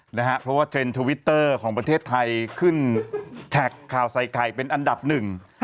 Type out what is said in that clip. เพราะว่าเทรนด์ทวิตเตอร์ของประเทศไทยขึ้นแท็กข่าวใส่ไข่เป็นอันดับหนึ่ง